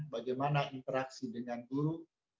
bagaimana interaksi dengan guru